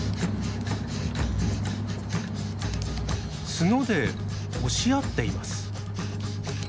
角で押し合っています。